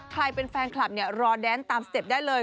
ใครเป็นแฟนคลับเนี่ยรอแดนตามสเต็ปได้เลย